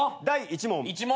第１問。